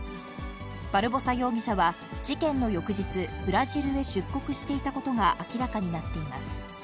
バルボサ容疑者は事件の翌日、ブラジルへ出国していたことが明らかになっています。